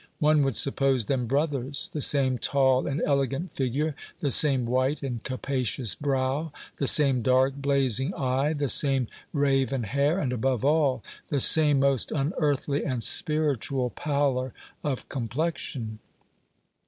One would suppose them brothers. The same tall and elegant figure, the same white and capacious brow, the same dark, blazing eye, the same raven hair, and, above all, the same most unearthly and spiritual pallor of complexion."